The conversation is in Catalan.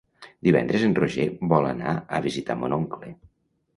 Divendres en Roger vol anar a visitar mon oncle.